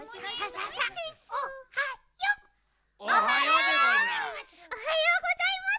おはよう！おはようございます！